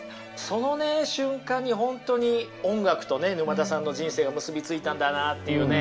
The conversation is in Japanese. そのね瞬間に本当に音楽とね沼田さんの人生が結びついたんだなというね